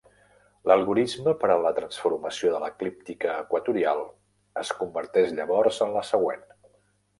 L'algorisme per a la transformació de l'eclíptica equatorial es converteix llavors en la següent.